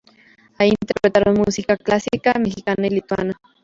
Ahí interpretaron música clásica, mexicana y lituana.